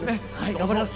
頑張ります。